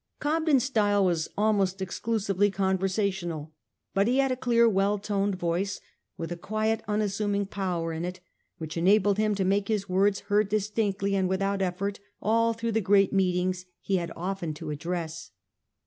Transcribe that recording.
Cobden's style was almost exclusively conversational, but he had a clear, well toned voice with a quiet unassuming power in it which enabled him to make his words heard dis tinctly and without effort all through the great meetings he had often to address.